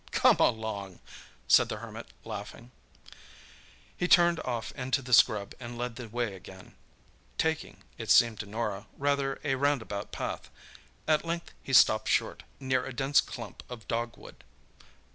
"Come along," said the Hermit, laughing. He turned off into the scrub, and led the way again, taking, it seemed to Norah, rather a roundabout path. At length he stopped short, near a dense clump of dogwood.